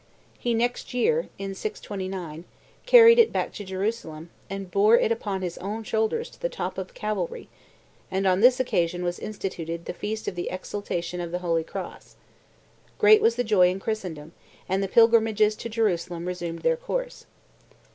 He next year (in 629) carried it back to Jerusalem, and bore it upon his own shoulders to the top of Calvary; and on this occasion was instituted the Feast of the Exaltation of the Holy Cross. Great was the joy in Christendom; and the pilgrimages to Jerusalem resumed their course.